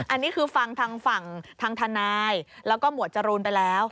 อันนี้คือฟังทางฝั่งทางทนายแล้วก็หมวดจรูนไปแล้ว